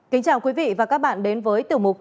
kính chào quý vị và các bạn đến với tiểu mục